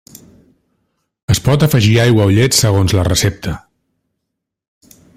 Es pot afegir aigua o llet segons la recepta.